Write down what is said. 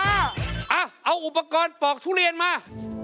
เอาอุปกรณ์ปอกทุเรียนมา